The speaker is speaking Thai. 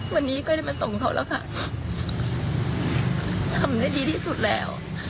วันนี้ก็ได้มาส่งเขาแล้วค่ะทำได้ดีที่สุดแล้ว